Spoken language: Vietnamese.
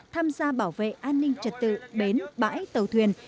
tham gia bảo vệ an ninh trật tự bến bãi tàu thuyền